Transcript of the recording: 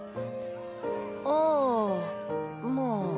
あーまあ